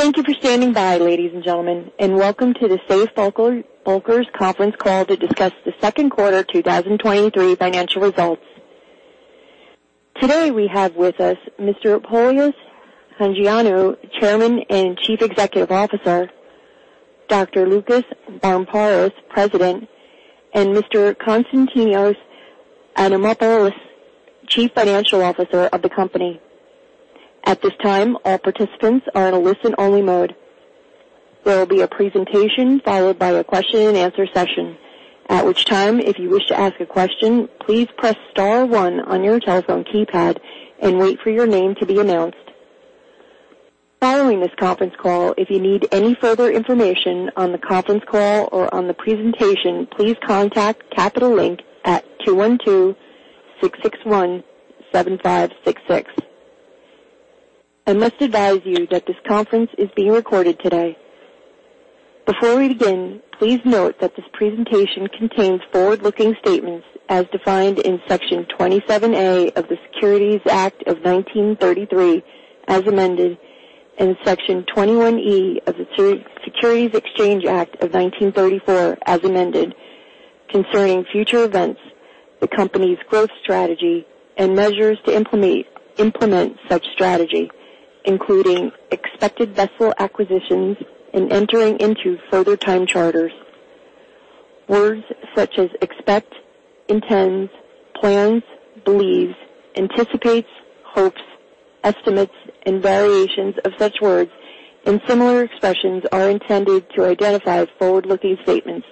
Thank you for standing by, ladies and gentlemen, and welcome to the Safe Bulkers conference call to discuss the second quarter 2023 financial results. Today we have with us Mr. Polys Hajioannou, Chairman and Chief Executive Officer, Dr. Loukas Barmparis, President, and Mr. Konstantinos Adamopoulos, Chief Financial Officer of the company. At this time, all participants are in a listen-only mode. There will be a presentation followed by a question and answer session, at which time, if you wish to ask a question, "please press star one" on your telephone keypad and wait for your name to be announced. Following this conference call, if you need any further information on the conference call or on the presentation, please contact Capital Link at 212-661-7566. I must advise you that this conference is being recorded today. Before we begin, please note that this presentation contains forward-looking statements as defined in Section 27 A of the Securities Act of 1933, as amended, and Section 21 E of the Securities Exchange Act of 1934, as amended, concerning future events, the company's growth strategy and measures to implement such strategy, including expected vessel acquisitions and entering into further time charters. Words such as expect, intends, plans, believes, anticipates, hopes, estimates, and variations of such words and similar expressions are intended to identify forward-looking statements.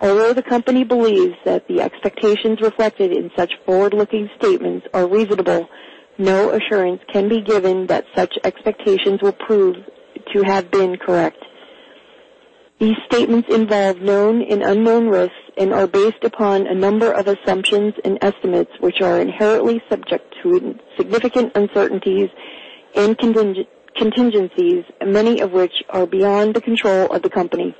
Although the company believes that the expectations reflected in such forward-looking statements are reasonable, no assurance can be given that such expectations will prove to have been correct. These statements involve known and unknown risks and are based upon a number of assumptions and estimates, which are inherently subject to significant uncertainties and contingencies, many of which are beyond the control of the company.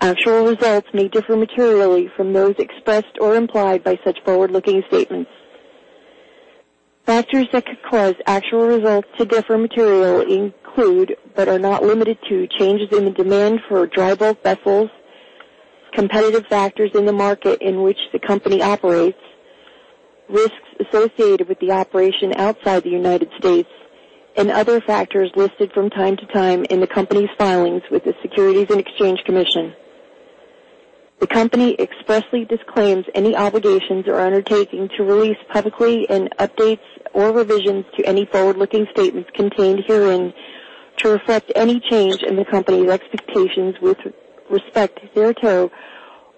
Actual results may differ materially from those expressed or implied by such forward-looking statements. Factors that could cause actual results to differ materially include, but are not limited to, changes in the demand for dry bulk vessels, competitive factors in the market in which the company operates, risks associated with the operation outside the United States, and other factors listed from time to time in the company's filings with the Securities and Exchange Commission. The company expressly disclaims any obligations or undertaking to release publicly and updates or revisions to any forward-looking statements contained herein to reflect any change in the company's expectations with respect thereto,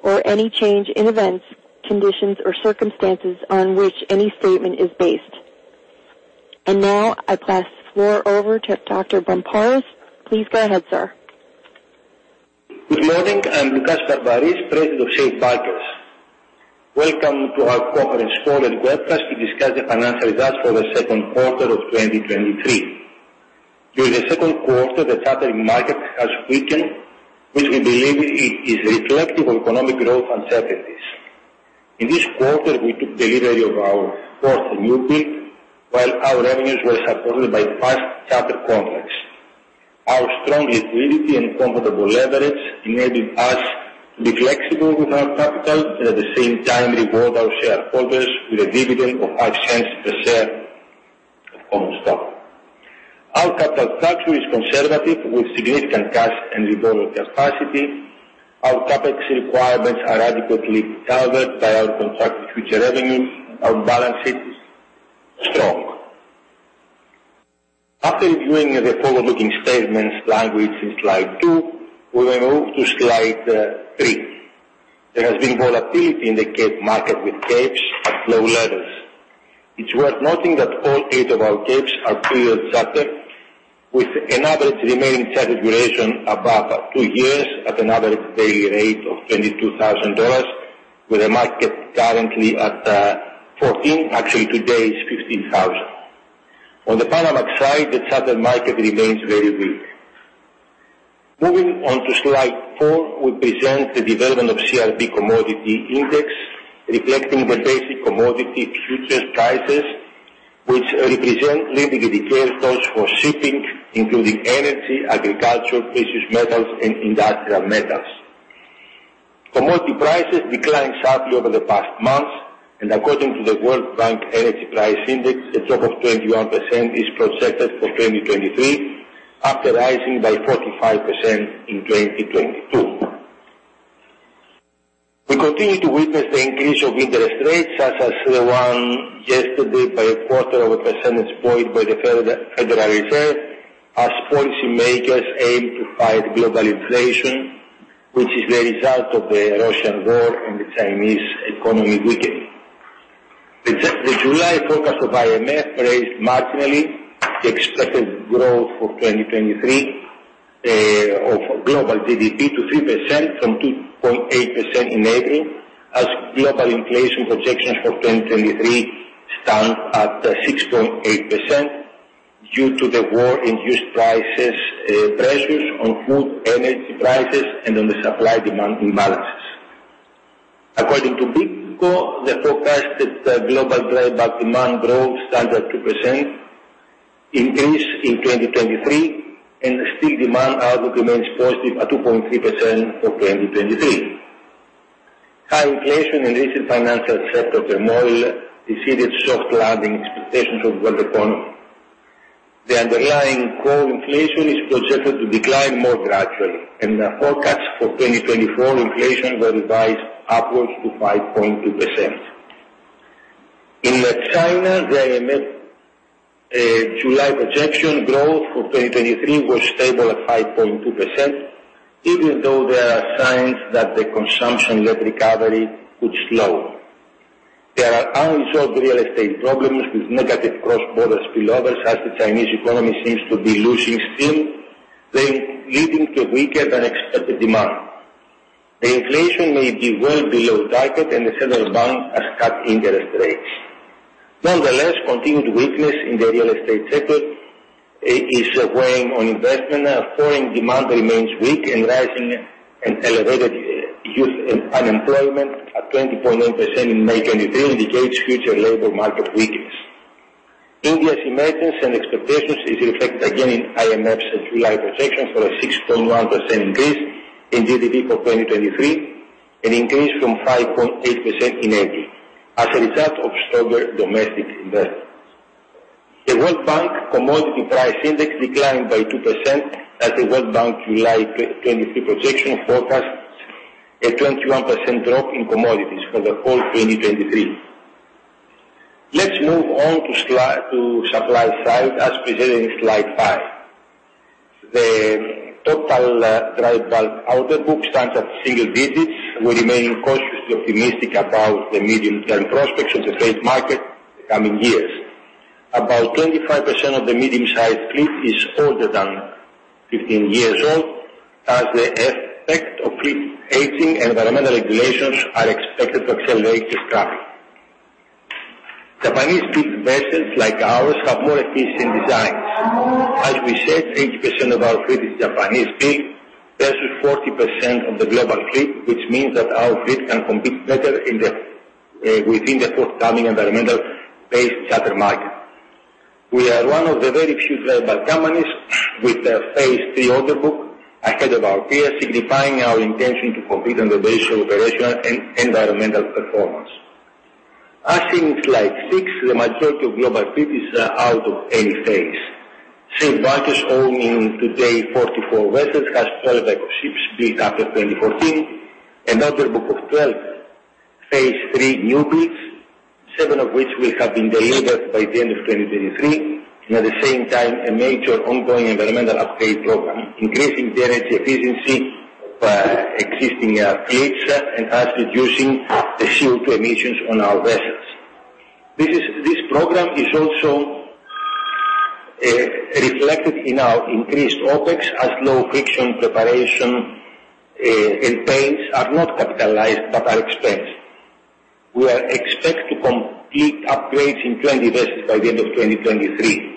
or any change in events, conditions, or circumstances on which any statement is based. Now I pass the floor over to Dr. Barmparis. Please go ahead, sir. Good morning, I'm Loukas Barmparis, President of Safe Bulkers. Welcome to our conference call and webcast to discuss the financial results for the second quarter of 2023. During the second quarter, the charter market has weakened, which we believe is reflective of economic growth uncertainties. In this quarter, we took delivery of our fourth newbuild, while our revenues were supported by fast charter contracts. Our strong liquidity and comfortable leverage enabled us to be flexible with our capital at the same time reward our shareholders with a dividend of $0.05 per share of common stock. Our capital structure is conservative, with significant cash and renewable capacity. Our CapEx requirements are adequately covered by our contracted future revenues. Our balance sheet is strong. After reviewing the forward-looking statements language in slide two, we will move to slide three. There has been volatility in the Cape market, with Capes at low levels. It's worth noting that all eight of our Capes are period chartered, with an average remaining charter duration above two years at an average daily rate of $22,000, with the market currently at $14,000, actually today is $15,000. On the Panama side, the charter market remains very weak. Moving on to slide four, we present the development of CRB Commodity Index, reflecting the basic commodity futures prices, which represent leading indicators costs for shipping, including energy, agriculture, precious metals, and industrial metals. Commodity prices declined sharply over the past months, and according to the World Bank Energy Price Index, a drop of 21% is projected for 2023, after rising by 45% in 2022. We continue to witness the increase of interest rates, such as the one yesterday, by a quarter of a percentage point by the Federal Reserve, as policymakers aim to fight global inflation, which is the result of the Russian war and the Chinese economy weakening. The July focus of IMF raised marginally the expected growth for 2023 of global GDP to 3% from 2.8% in April, as global inflation projections for 2023 stand at 6.8% due to the war-induced prices, pressures on food, energy prices and on the supply-demand imbalance. According to BIMCO, the forecasted global dry bulk demand growth stands at 2% increase in 2023, still demand output remains positive at 2.3% for 2023. High inflation and recent financial effect of the oil preceded soft landing expectations of the world economy. The underlying core inflation is projected to decline more gradually, and the forecast for 2024 inflation were revised upwards to 5.2%. In China, the IMF July projection growth for 2023 was stable at 5.2%, even though there are signs that the consumption-led recovery could slow. There are unresolved real estate problems with negative cross-border spillovers, as the Chinese economy seems to be losing steam, then leading to weaker than expected demand. The inflation may be well below target and the central bank has cut interest rates. Nonetheless, continued weakness in the real estate sector is weighing on investment. Foreign demand remains weak and rising and elevated youth unemployment at 20.9% in May 2023 indicates future labor market weakness. India's emergence and expectations is reflected again in IMF's July projections for a 6.1% increase in GDP for 2023, an increase from 5.8% in eighty, as a result of stronger domestic investments. The World Bank Commodity Price Index declined by 2% as the World Bank July 2023 projection forecasts a 21% drop in commodities for the whole 2023. Let's move on to supply side, as presented in slide five. The total dry bulk order book stands at single digits. We remain cautiously optimistic about the medium-term prospects of the trade market in the coming years. About 25% of the medium-sized fleet is older than 15 years old, as the effect of fleet aging and environmental regulations are expected to accelerate this traffic. Japanese fleet vessels like ours, have more efficient designs. As we said, 80% of our fleet is Japanese fleet, versus 40% of the global fleet, which means that our fleet can compete better in the forthcoming environmental-based charter market. We are one of the very few global companies with a Phase 3 order book ahead of our peers, signifying our intention to compete on the basis of operational and environmental performance. As in slide six, the majority of global fleet is out of any phase. Safe Bulkers, owning today 44 vessels, has 12 eco ships built after 2014, an order book of 12 Phase 3 new builds, seven of which will have been delivered by the end of 2023. At the same time, a major ongoing environmental upgrade program, increasing the energy efficiency of existing fleets, and thus reducing the CO2 emissions on our vessels. This program is also reflected in our increased OpEx, as low friction preparation, and paints are not capitalized, but are expensed. We are expect to complete upgrades in 20 vessels by the end of 2023.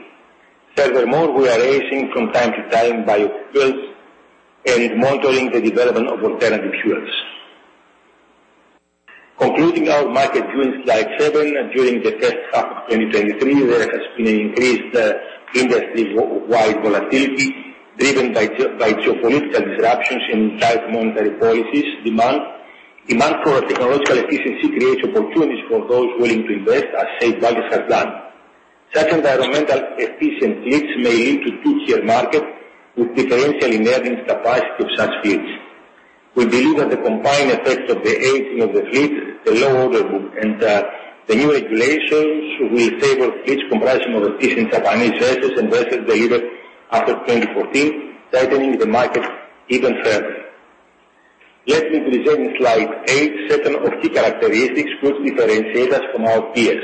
We are raising from time to time by fuels and monitoring the development of alternative fuels. Concluding our market view in slide seven, during the first half of 2023, there has been an increased industry-wide volatility, driven by geopolitical disruptions in tight monetary policies, demand. Demand for technological efficiency creates opportunities for those willing to invest, as Safe Bulkers have done. Such environmental efficient fleets may lead to two-tier market, with differential in earning capacity of such fleets. We believe that the combined effects of the aging of the fleet, the low order book and the new regulations will favor fleet compression of efficient Japanese vessels and vessels delivered after 2014, tightening the market even further. Let me present in slide eight, seven of key characteristics which differentiate us from our peers.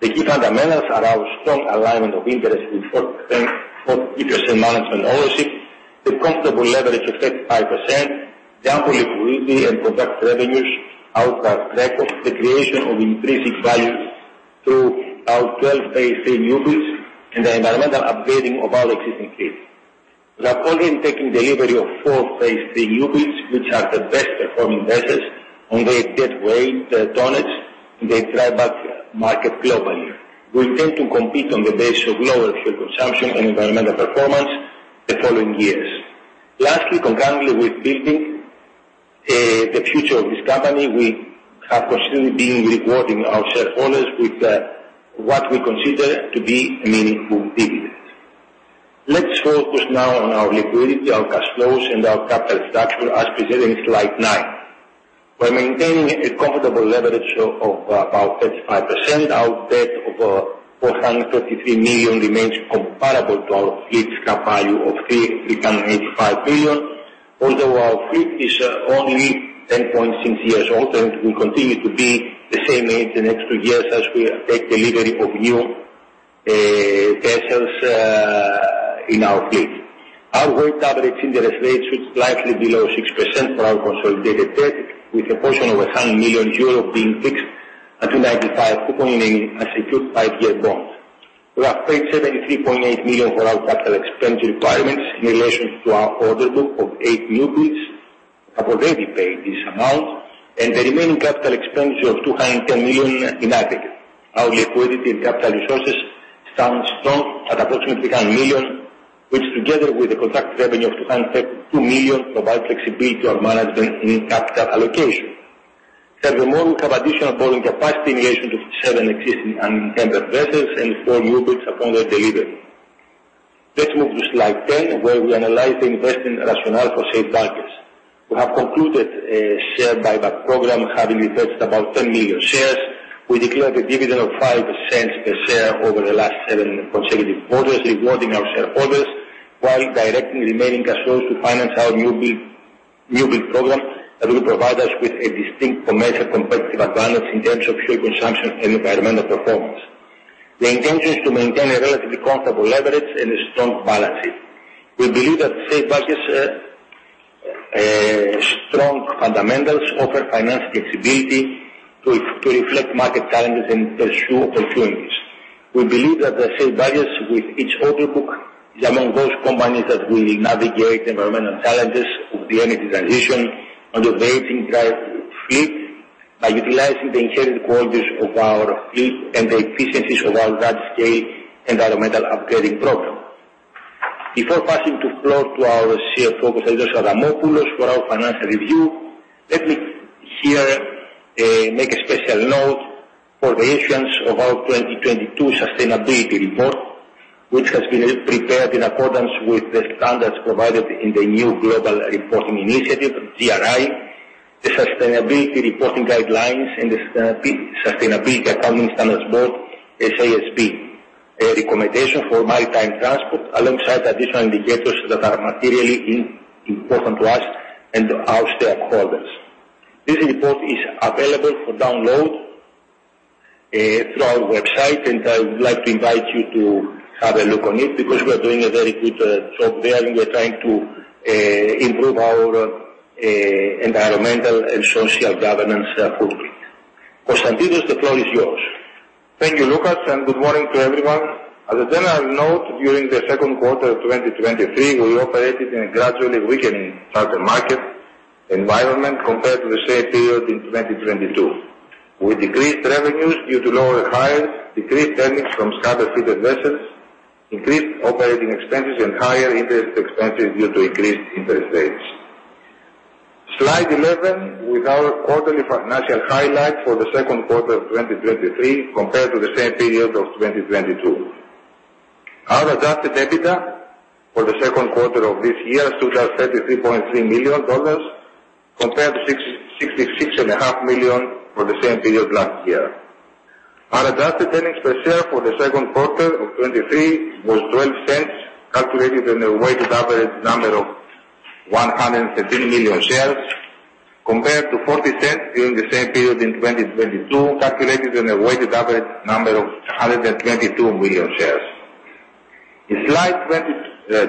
The key fundamentals are our strong alignment of interest with 40% management ownership, the comfortable leverage effect 5%, the ambiguity and product revenues, our track of the creation of intrinsic value through our 12 Phase 3 new builds, and the environmental upgrading of our existing fleet. We are currently taking delivery of four Phase 3 new builds, which are the best performing vessels when they get weighed on it, in the dry bulk market globally. We intend to compete on the basis of lower fuel consumption and environmental performance the following years. Lastly, concurrently with building the future of this company, we have consistently been rewarding our shareholders with what we consider to be a meaningful dividend. Let's focus now on our liquidity, our cash flows and our capital structure as presented in slide nine. By maintaining a comfortable leverage of about 35%, our debt of $433 million remains comparable to our fleet's cap value of $385 billion. Although our fleet is only 10.6 years old and will continue to be the same age the next two years as we take delivery of new vessels in our fleet. Our weight average interest rate, which is slightly below 6% for our consolidated debt, with a portion of 100 million euros being fixed at 295.8 and secured 5-year bond. We have paid $73.8 million for our capital expenditure requirements in relation to our order book of eight new builds. Have already paid this amount, and the remaining capital expenditure of $210 million in aggregate. Our liquidity and capital resources stand strong at approximately $100 million, which together with the contracted revenue of $202 million, provide flexibility of management in capital allocation. Furthermore, we have additional borrowing capacity in relation to seven existing and 10 addresses and four new builds upon their delivery. Let's move to slide 10, where we analyze the investment rationale for Safe Bulkers. We have concluded a share buyback program, having repurchased about 10 million shares. We declared a dividend of $0.05 per share over the last seven consecutive quarters, rewarding our shareholders while directing remaining customers to finance our new build program that will provide us with a distinct commercial competitive advantage in terms of fuel consumption and environmental performance. The intention is to maintain a relatively comfortable leverage and a strong balance sheet. We believe that Safe Bulkers, strong fundamentals offer financial flexibility to reflect market challenges and pursue opportunities. We believe that the Safe Bulkers with each order book, is among those companies that will navigate the environmental challenges of the energy transition and advancing drive fleet by utilizing the inherent qualities of our fleet and the efficiencies of our large-scale environmental upgrading program. Before passing to floor to our CFO, Konstantinos Adamopoulos, for our financial review, let me here make a special note for the issuance of our 2022 sustainability report, which has been prepared in accordance with the standards provided in the new Global Reporting Initiative, GRI, the Sustainability Reporting Guidelines and the Sustainability Accounting Standards Board, SASB. A recommendation for maritime transport, alongside additional indicators that are materially important to us and our stakeholders. This report is available for download through our website. I would like to invite you to have a look on it, because we are doing a very good job there, and we are trying to improve our environmental and social governance footprint. Konstantinos, the floor is yours. Thank you, Loukas. Good morning to everyone. As a general note, during the second quarter of 2023, we operated in a gradually weakening charter market environment compared to the same period in 2022, with decreased revenues due to lower hires, decreased earnings from scrubber-fitted vessels, increased operating expenses and higher interest expenses due to increased interest rates. Slide 11 with our quarterly financial highlights for the second quarter of 2023 compared to the same period of 2022. Our adjusted EBITDA for the second quarter of this year stood at $33.3 million, compared to $66.5 million for the same period last year. Our adjusted earnings per share for the second quarter of 23 was $0.12, calculated on a weighted average number of 115 million shares, compared to $0.40 during the same period in 2022, calculated on a weighted average number of 122 million shares. In slide 20,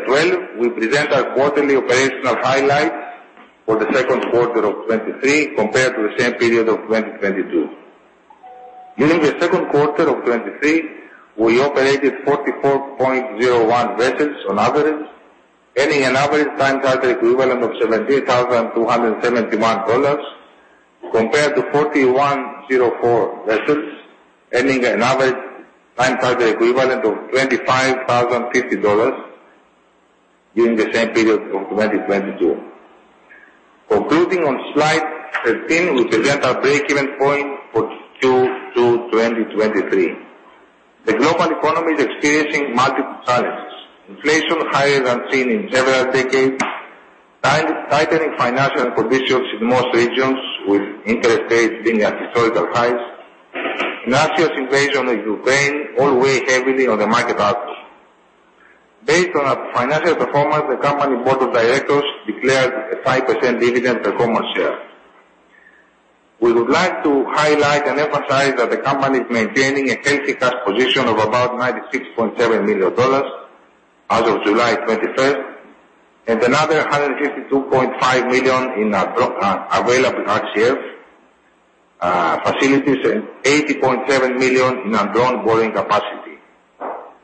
12, we present our quarterly operational highlights for the second quarter of 23 compared to the same period of 2022. During the second quarter of 23, we operated 44.01 vessels on average, earning an average Time Charter Equivalent of $17,271, compared to 41.04 vessels, earning an average Time Charter Equivalent of $25,050 during the same period of 2022. Concluding on slide 13, we present our breakeven point for 2023. The global economy is experiencing multiple challenges: inflation higher than seen in several decades, tightening financial conditions in most regions, with interest rates being at historical highs, Russia's invasion of Ukraine all weigh heavily on the market outlook. Based on our financial performance, the company board of directors declared a 5% dividend per common share. We would like to highlight and emphasize that the company is maintaining a healthy cash position of about $96.7 million as of July 21st, and another $152.5 million in available RCF facilities and $80.7 million in undrawn borrowing capacity.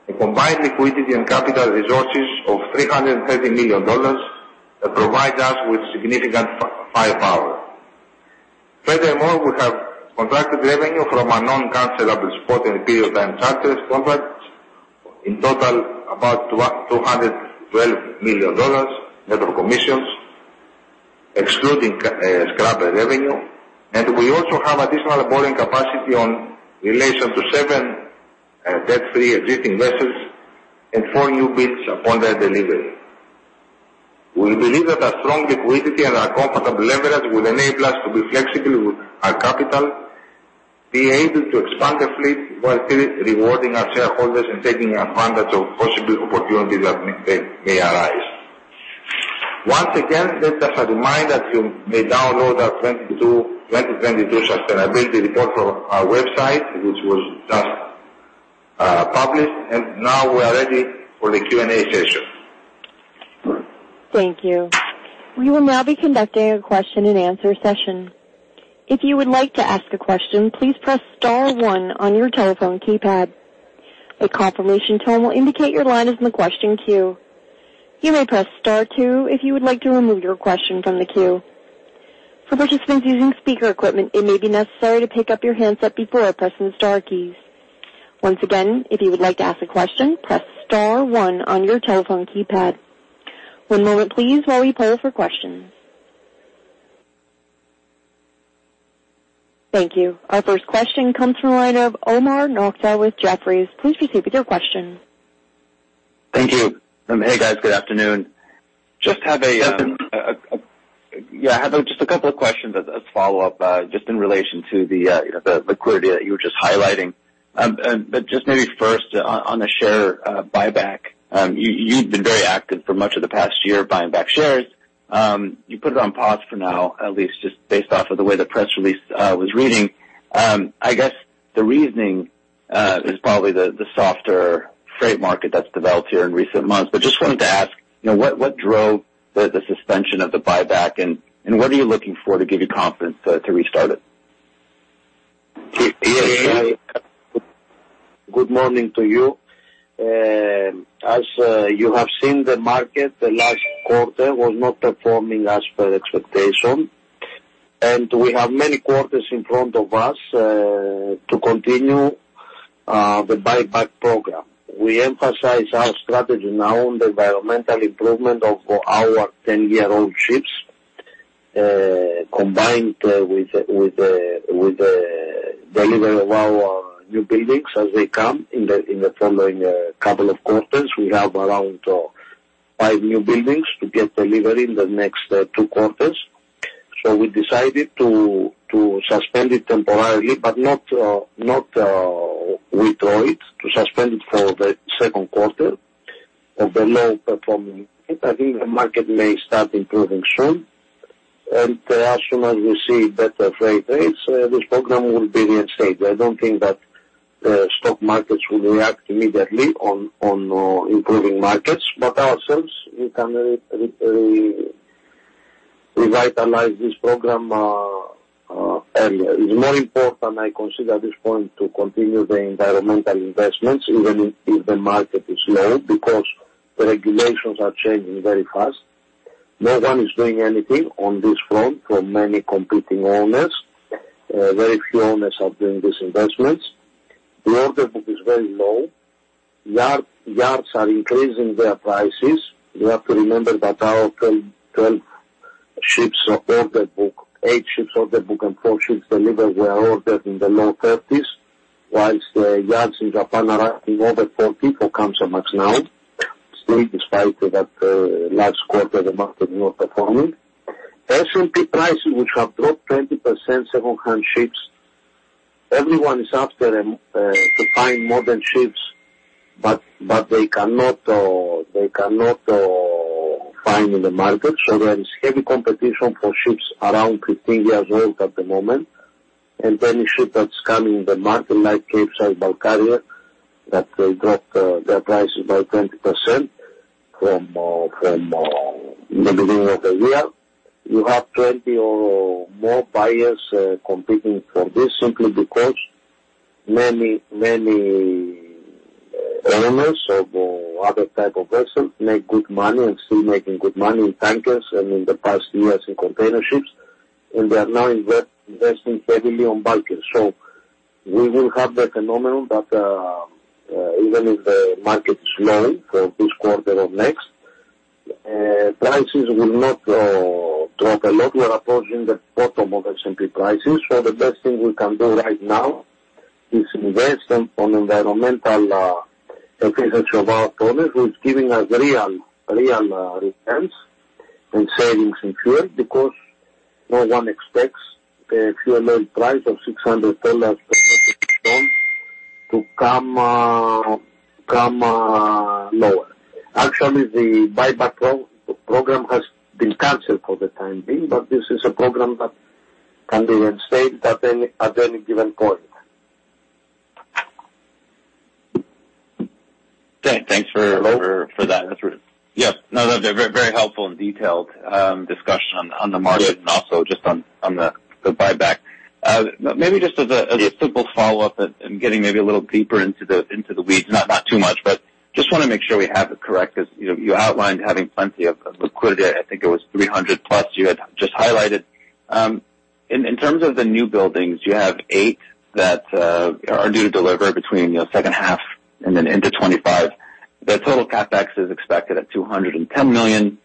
A combined liquidity and capital resources of $330 million provide us with significant firepower. Furthermore, we have contracted revenue from a non-cancellable spot and period time charters contracts, in total about $212 million network commissions, excluding scrubber revenue. We also have additional borrowing capacity on relation to seven debt-free existing vessels and four new builds upon their delivery. We believe that a strong liquidity and our comfortable leverage will enable us to be flexible with our capital, be able to expand the fleet while still rewarding our shareholders and taking advantage of possible opportunities that may arise. Once again, let us remind that you may download our 2022 sustainability report from our website, which was just published. Now we are ready for the Q&A session. Thank you. We will now be conducting a question-and-answer session. If you would like to ask a question, "please press star one"on your telephone keypad. A confirmation tone will indicate your line is in the question queue. You may "press star two" if you would like to remove your question from the queue. For participants using speaker equipment, it may be necessary to pick up your handset before pressing the star keys. Once again, if you would like to ask a question, "press star one" on your telephone keypad. One moment please, while we poll for questions. Thank you. Our first question comes from the line of Omar Nokta with Jefferies. Please proceed with your question. Thank you. Hey, guys. Good afternoon. Just have a, yeah, I have just a couple of questions as follow-up just in relation to the, you know, the liquidity that you were just highlighting. Just maybe first on, on the share buyback. You've been very active for much of the past year buying back shares. You put it on pause for now, at least just based off of the way the press release was reading. I guess the reasoning is probably the softer freight market that's developed here in recent months. Just wanted to ask, you know, what drove the suspension of the buyback, and what are you looking for to give you confidence to restart it? Yes. Good morning to you. As you have seen the market the last quarter was not performing as per expectation, we have many quarters in front of us to continue the buyback program. We emphasize our strategy now on the environmental improvement of our 10-year-old ships, combined with the delivery of our new buildings as they come in the following couple of quarters. We have around five new buildings to get delivered in the next two quarters. We decided to suspend it temporarily, but not withdraw it. To suspend it for the second quarter of the low-performing. I think the market may start improving soon. As soon as we see better freight rates, this program will be reinstated. I don't think that stock markets will react immediately on, on improving markets, ourselves, we can revitalize this program earlier. It's more important, I consider at this point, to continue the environmental investments, even if the market is low, because the regulations are changing very fast. No one is doing anything on this front from many competing owners. Very few owners are doing these investments. The order book is very low. Yards are increasing their prices. You have to remember that our 12 ships of order book, eight ships order book and four ships delivered were ordered in the low 30s, whilst the yards in Japan are asking over 40 for Kamsarmax now, still despite that last quarter, the market was not performing. S&P prices, which have dropped 20% second-hand ships. Everyone is after them to find modern ships, but they cannot find in the market. There is heavy competition for ships around 15 years old at the moment. Any ship that's coming in the market, like MV Vasilis, that they dropped their prices by 20% from the beginning of the year. You have 20 or more buyers competing for this simply because many owners of other type of vessels make good money and still making good money in tankers and in the past years in container ships. They are now investing heavily on tankers. We will have the phenomenon that even if the market is low for this quarter or next, prices will not drop a lot. We are approaching the bottom of S&P prices. The best thing we can do right now is invest on environmental efficiency of our products, which is giving us real returns and savings in fuel, because no one expects a fuel oil price of $600 per metric ton to come lower. Actually, the buyback program has been canceled for the time being, this is a program that can be reinstated at any given point. Great. Thanks. for that. Yes. No, no, they're very helpful and detailed, discussion on the market. Good. Also just on the buyback. Maybe just as a simple follow-up and getting maybe a little deeper into the weeds, not too much, but just want to make sure we have it correct because you outlined having plenty of liquidity. I think it was $300+, you had just highlighted. In terms of the new buildings, you have eight that are due to deliver between second half and then into 2025. The total CapEx is expected at $210 million.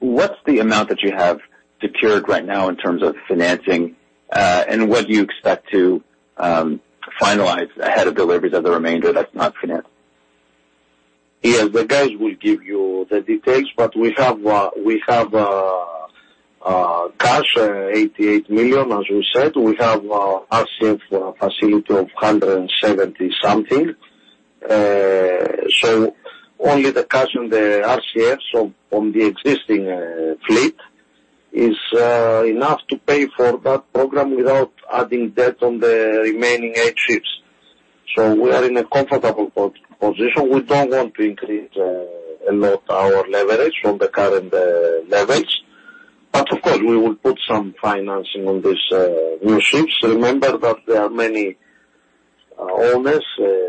What's the amount that you have secured right now in terms of financing? What do you expect to finalize ahead of deliveries of the remainder that's not financed? Yes, the guys will give you the details, but we have cash, $88 million. As we said, we have RCF facility of $170 something. Only the cash on the RCF, on the existing fleet, is enough to pay for that program without adding debt on the remaining eight ships. We are in a comfortable position. We don't want to increase a lot our leverage from the current leverage. Of course, we will put some financing on this new ships. Remember that there are many owners,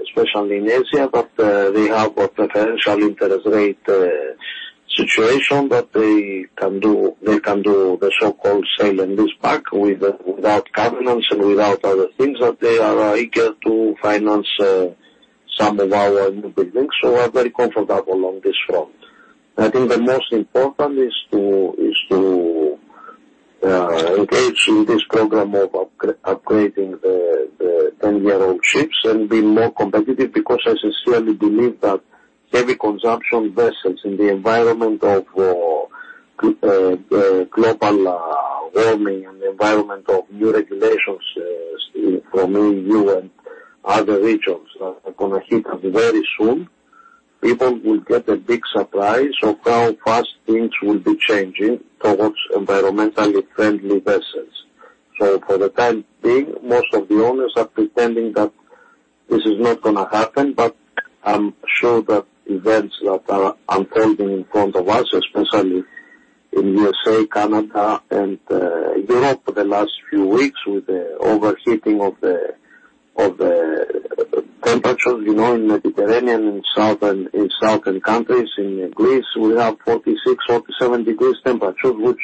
especially in Asia, that they have a preferential interest rate situation, that they can do the so-called sale and leaseback without covenants and without other things, that they are eager to finance some of our new buildings. We're very comfortable on this front. I think the most important is to engage in this program of upgrading the 10-year-old ships and be more competitive because I sincerely believe that heavy consumption vessels in the environment of global warming and the environment of new regulations from EU and other regions are gonna hit us very soon. People will get a big surprise of how fast things will be changing towards environmentally friendly vessels. For the time being, most of the owners are pretending that this is not going to happen. I'm sure that events that are unfolding in front of us, especially in USA, Canada and Europe for the last few weeks, with the overheating of the temperatures, you know, in Mediterranean and Southern countries. In Greece, we have 46, 47 degrees temperatures, which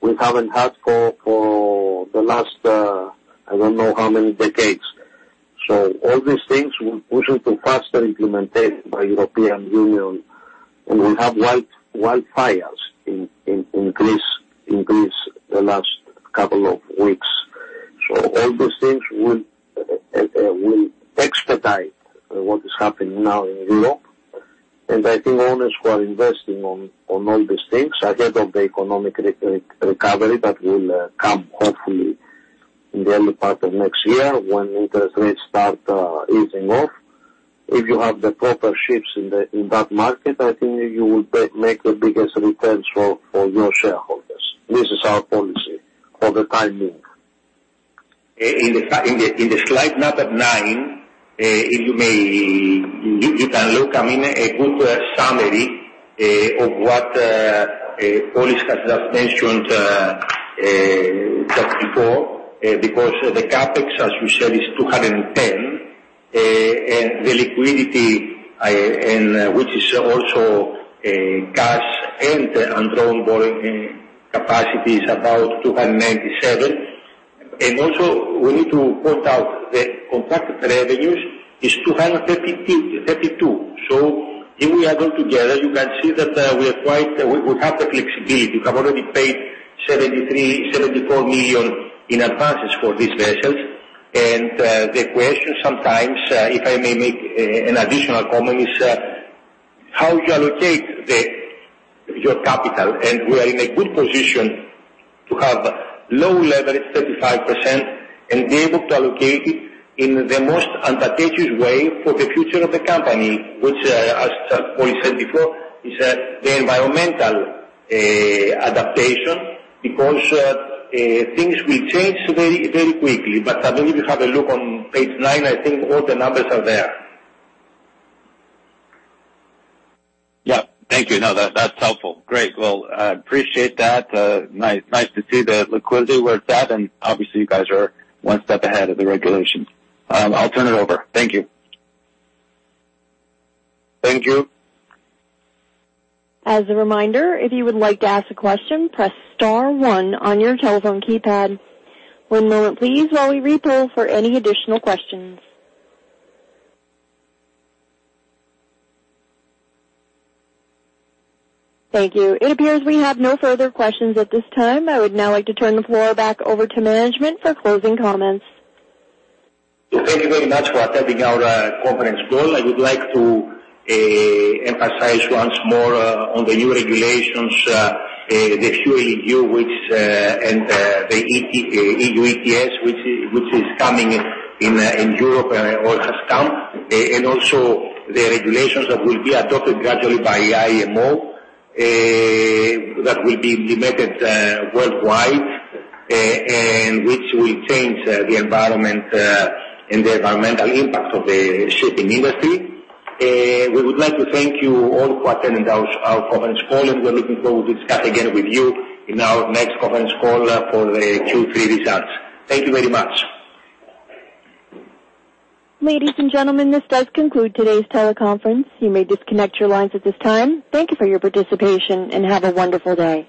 we haven't had for the last, I don't know how many decades. All these things will push into faster implementation by European Union. We have wildfires in Greece the last couple of weeks. All these things will expedite what is happening now in Europe. I think owners who are investing on all these things ahead of the economic recovery that will come hopefully in the early part of next year, when interest rates start easing off. If you have the proper ships in that market, I think you will make the biggest returns for your shareholders. This is our policy for the time being. In the slide nine, if you may, you can look, I mean, a good summary of what Polys has just mentioned just before. The CapEx, as you said, is $210, and the liquidity, and which is also cash and undrawn borrowing capacities, about $297. Also, we need to point out the contracted revenue is $232 million. If we add all together, you can see that we have the flexibility. We have already paid $73 million-$74 million in advances for these vessels. The question sometimes, if I may make an additional comment, is how you allocate your capital. We are in a good position to have low leverage, 35%, and be able to allocate it in the most advantageous way for the future of the company, which as Polys said before, is the environmental adaptation, because things will change very, very quickly. I believe you have a look on page nine, I think all the numbers are there. Yeah. Thank you. No, that's helpful. Great! Well, I appreciate that. nice to see the liquidity where it's at, and obviously, you guys are one step ahead of the regulations. I'll turn it over. Thank you. Thank you. As a reminder, if you would like to ask a question, press star one on your telephone keypad. One moment, please, while we re-poll for any additional questions. Thank you. It appears we have no further questions at this time. I would now like to turn the floor back over to management for closing comments. Thank you very much for attending our conference call. I would like to emphasize once more on the new regulations, the FuelEU, which and the EU ETS, which is coming in in Europe or has come. Also the regulations that will be adopted gradually by IMO that will be implemented worldwide and which will change the environment and the environmental impact of the shipping industry. We would like to thank you all for attending our conference call, and we're looking forward to discuss again with you in our next conference call for the Q3 results. Thank you very much. Ladies and gentlemen, this does conclude today's teleconference. You may disconnect your lines at this time. Thank you for your participation, and have a wonderful day.